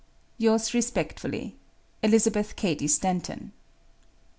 "Yours respectfully, "Elizabeth Cady Stanton."